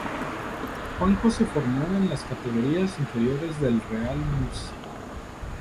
Juanjo se formó en las categorías inferiores del Real Murcia.